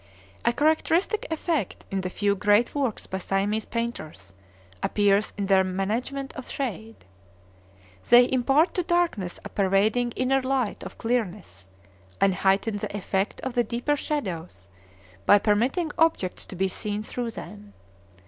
A characteristic effect in the few great works by Siamese painters appears in their management of shade. They impart to darkness a pervading inner light or clearness, and heighten the effect of the deeper shadows by permitting objects to be seen through them.